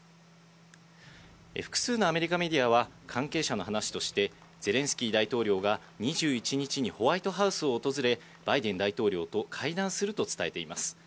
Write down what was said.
複数のアメリカメディアは関係者の話として、ゼレンスキー大統領が２１日にホワイトハウスを訪れ、バイデン大統領と会談すると伝えています。